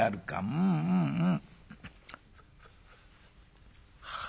うんうんうん」。